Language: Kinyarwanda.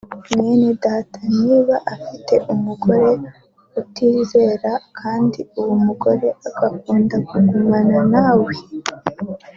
“Mwene Data niba afite umugore utizera kandi uwo mugore agakunda kugumana na we